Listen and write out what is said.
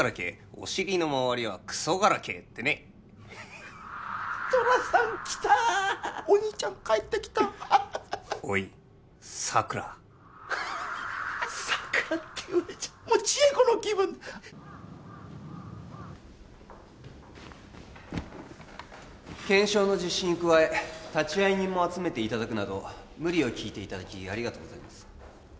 お尻の周りはクソガラケってね寅さんきたーお兄ちゃん帰ってきたおいさくらさくらって言われちゃもう千恵子の気分検証の実施に加え立会人も集めていただくなど無理を聞いていただきありがとうございます